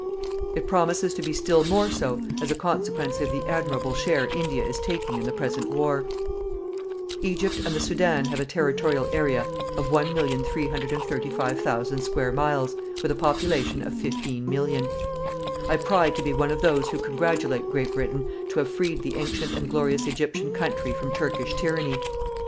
It promises to be still more so, as a consequence of the admirable share India is taking in the present war. Egypt and the Soudan have a territorial area of 1,335,000 square miles, with a population of 15,000,000. I pride to be one of those who congratulate Great Britain to have freed the ancient and glorious Egyptian country from Turkish tyranny.